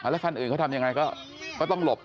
แล้วคันอื่นเขาทำยังไงก็ต้องหลบ